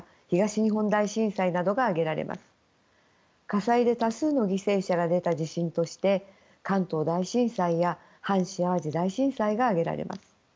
火災で多数の犠牲者が出た地震として関東大震災や阪神・淡路大震災が挙げられます。